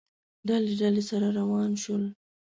ډلې، ډلې، سره وران شول